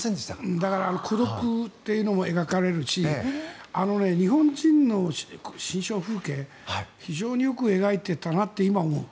だから孤独というのも描かれるし日本人の心象風景を非常によく描いていたなと今、思う。